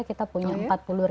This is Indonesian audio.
kita punya empat puluh